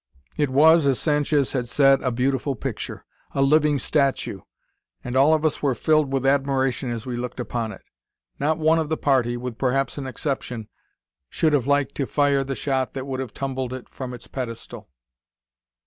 It was, as Sanchez had said, a beautiful picture a living statue; and all of us were filled with admiration as we looked upon it. Not one of the party, with perhaps an exception, should have liked to fire the shot that would have tumbled it from its pedestal.